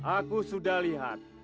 aku sudah lihat